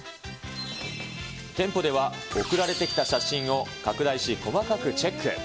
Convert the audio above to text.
店舗では送られてきた写真を拡大し、細かくチェック。